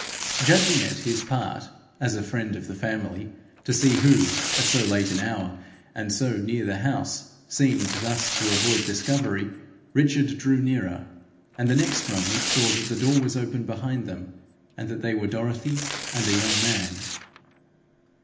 Judging it his part, as a friend of the family, to see who, at so late an hour, and so near the house, seemed thus to avoid discovery, Richard drew nearer, and the next moment saw that the door was open behind them, and that they were Dorothy and a young man.